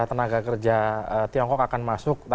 tenaga kerja tiongkok akan masuk